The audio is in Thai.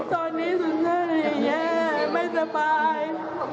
ตอนนี้สุดท้ายแย่ไม่สบาย